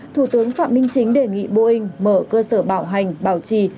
thủ tướng phạm minh chính đề nghị boeing mở cơ sở bảo hành bảo trì